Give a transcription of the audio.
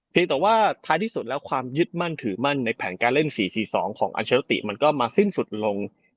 แต่ว่าท้ายที่สุดแล้วความยึดมั่นถือมั่นในแผนการเล่น๔๔๒ของอัลเชอร์ติมันก็มาสิ้นสุดลง